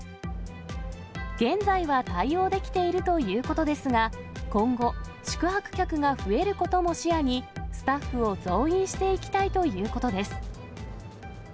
現在は対応できているということですが、今後、宿泊客が増えることも視野に、スタッフを増員していきたいということです。